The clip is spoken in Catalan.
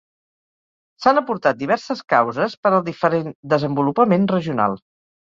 S'han aportat diverses causes per al diferent desenvolupament regional.